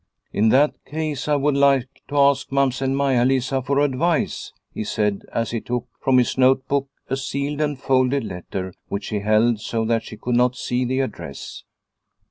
" In that case I would like to ask Mamsell Maia Lisa for advice," he said as he took from his note book a sealed and folded letter which he held so that she could not see the address.